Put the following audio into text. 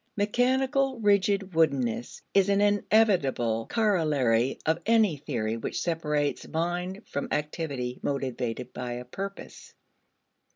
Mechanical rigid woodenness is an inevitable corollary of any theory which separates mind from activity motivated by a purpose.